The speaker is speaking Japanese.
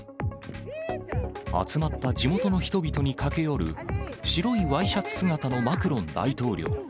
集まった地元の人々に駆け寄る白いワイシャツ姿のマクロン大統領。